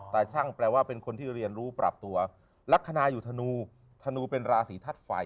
แต่ช่างแปลว่าเป็นคนที่เรียนรู้ปรับตัวลักษณะอยู่ธนูธนูเป็นราศีธาตุไฟ